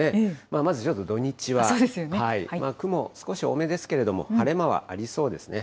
まずちょっと土日は、雲、少し多めですけれども、晴れ間はありそうですね。